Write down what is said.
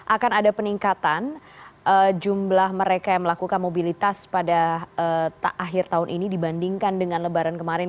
akan ada peningkatan jumlah mereka yang melakukan mobilitas pada akhir tahun ini dibandingkan dengan lebaran kemarin